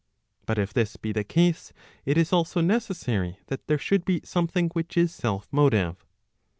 * But if this be the case, it is also necessary that there should be some¬ thing which is self motive.